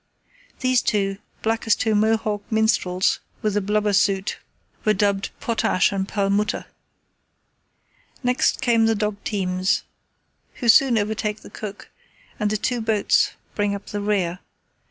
These two, black as two Mohawk Minstrels with the blubber soot, were dubbed "Potash and Perlmutter." Next come the dog teams, who soon overtake the cook, and the two boats bring up the rear.